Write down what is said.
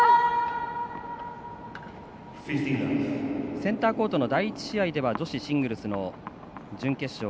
センターコートの第１試合では女子シングルスの準決勝